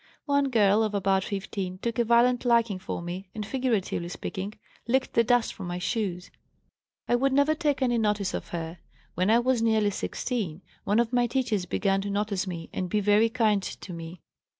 One girl of about 15 took a violent liking for me and figuratively speaking licked the dust from my shoes. I would never take any notice of her. When I was nearly 16 one of my teachers began to notice me and be very kind to me.